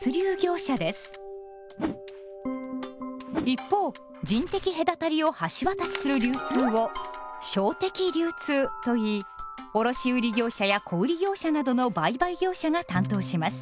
一方人的隔たりを橋渡しする流通を「商的流通」といい卸売業者や小売業者などの売買業者が担当します。